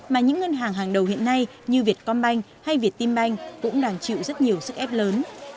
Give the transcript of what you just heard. mà những ngân hàng hàng đầu hiện nay như việt combank hay việt timbank cũng đang chịu rất nhiều sức ép lớn